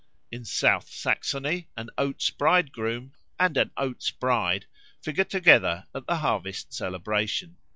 In South Saxony an Oats bridegroom and an Oats bride figure together at the harvest celebration.